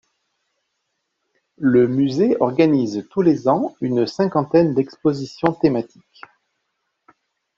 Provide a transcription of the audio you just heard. Le musée organise tous les ans une cinquantaine d'expositions thématiques.